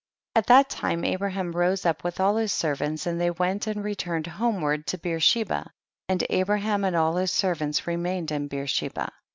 18. At that time Abraham rose up with all his servants, and they went and returned homeward to Bcershe ba, and Abraham and all his servants remained in Beersheba.